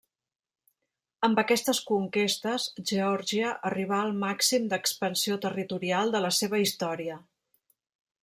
Amb aquestes conquestes Geòrgia arribà al màxim d'expansió territorial de la seva història.